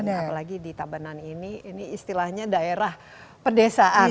terus lagi di tabanan ini ini istilahnya daerah pedesaan